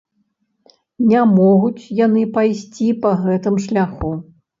Не могуць яны пайсці па гэтым шляху.